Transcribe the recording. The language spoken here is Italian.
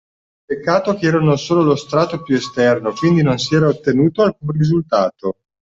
Peccato che erano solo lo strato più esterno, quindi non si era ottenuto alcun risultato.